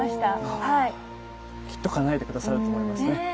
きっとかなえて下さると思いますね。